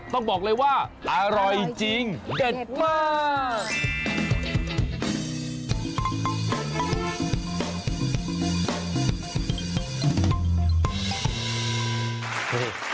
ต้องบอกเลยว่าอร่อยจริงเด็ดมาก